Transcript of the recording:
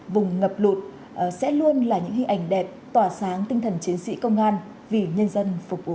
vùng ngập lụt sẽ luôn là những hình ảnh đẹp tỏa sáng tinh thần chiến sĩ công an vì nhân dân phục vụ